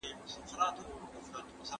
تر ازموینې مخکي ما خپل درسونه لوستي وو.